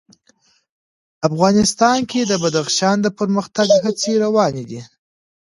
افغانستان کې د بدخشان د پرمختګ هڅې روانې دي.